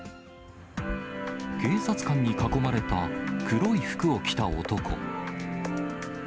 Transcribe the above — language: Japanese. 警察官に囲まれた黒い服を着た男。